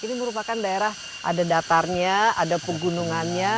ini merupakan daerah ada datarnya ada pegunungannya